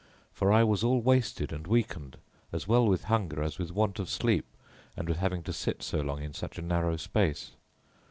For I was all wasted and weakened as well with hunger as with want of sleep and with having to sit so long in such a narrow space.